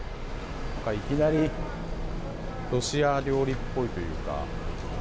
いきなりロシア料理っぽいというか。